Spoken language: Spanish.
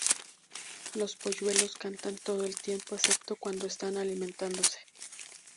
Los polluelos cantan todo el tiempo excepto cuando están alimentándose.